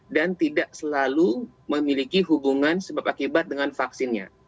dan tidak selalu memiliki hubungan sebab akibat dengan vaksinnya